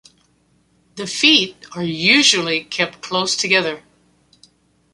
The feet are usually kept close together.